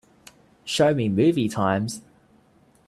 Show me movie times